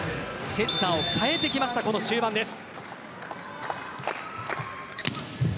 セッターを代えてきました終盤です。